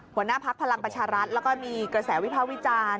หัวหน้าพักพลังประชารัฐแล้วก็มีกระแสวิภาควิจารณ์